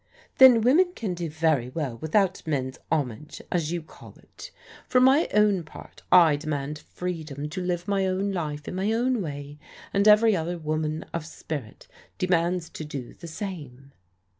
"Then women can do very well without men's hom age — as you call it. For my own part I demand freedom to live my own life in my own way, and every other woman of spirit demands to do the same."